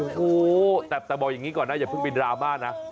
โอ้โหแต่บอกอย่างนี้ก่อนนะอย่าเพิ่งเป็นดราม่านะ